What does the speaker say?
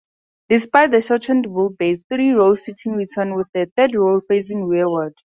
Despite the shortened wheelbase, three-row seating returned, with the third row facing rearward.